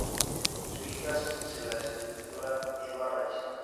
Su hija es la escritora Eva Rice.